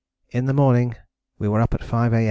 In the morning we were up at 5 A.